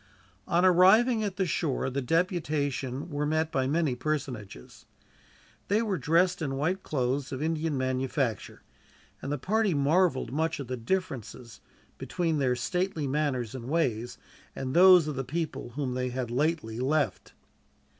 On arriving at the shore, the deputation were met by many personages. They were dressed in white cloths of Indian manufacture, and the party marveled much at the difference between their stately manners and ways, and those of the people whom they had lately left.